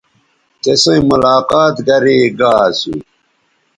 تِسئیں ملاقات گرے گا اسو